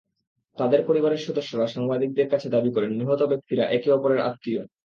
তাঁদের পরিবারের সদস্যরা সাংবাদিকদের কাছে দাবি করেন, নিহত ব্যক্তিরা একে অপরের আত্মীয়।